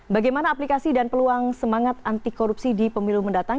bagaimana aplikasi dan peluang semangat anti korupsi di pemilu mendatang